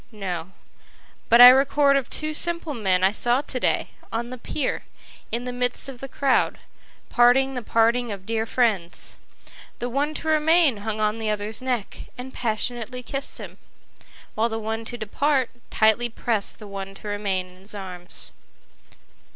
—No; But I record of two simple men I saw to day, on the pier, in the midst of the crowd, parting the parting of dear friends; The one to remain hung on the other's neck, and passionately kiss'd him, While the one to depart, tightly prest the one to remain in his arms.